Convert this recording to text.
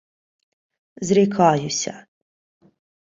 — Зрікаюся.